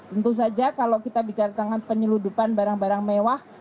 tentu saja kalau kita bicara tentang penyeludupan barang barang mewah